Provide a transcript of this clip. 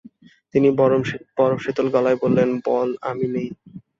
তিনি বরফশীতল গলায় বললেন, বল আমি নেই।